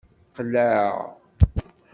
Qleɛ!